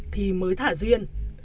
thì mới thả duyên